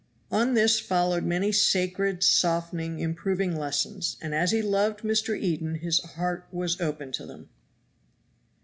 On this followed many sacred, softening, improving lessons, and as he loved Mr. Eden his heart was open to them.